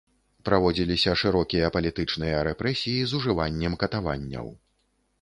Праводзіліся шырокія палітычныя рэпрэсіі з ужываннем катаванняў.